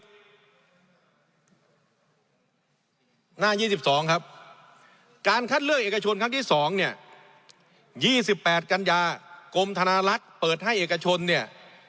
หน้า๒๒ครับการคัดเลือกเอกชนครั้งที่๒เนี่ย๒๘กันยากรมธนาลักษณ์เปิดให้เอกชนเนี่ย